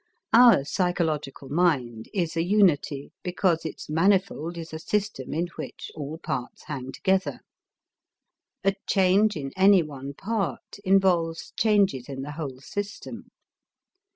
Our psychological mind is a unity because its manifold is a system in which all parts hang together. A change in any one part involves changes in the whole system.